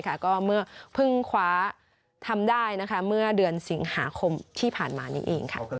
ก็เมื่อเพิ่งคว้าทำได้เมื่อเดือนสิงหาคมที่ผ่านมานี้เอง